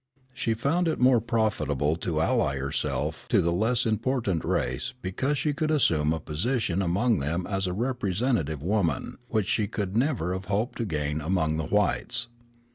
She found it more profitable to ally herself to the less important race because she could assume a position among them as a representative woman, which she could never have hoped to gain among the whites.